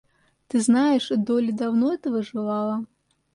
Ты знаешь, Долли давно этого желала.